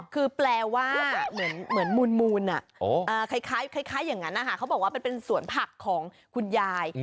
คือแปลว่าเหมือนมูลคล้ายอย่างนั้นนะคะเขาบอกว่ามันเป็นสวนผักของคุณยาย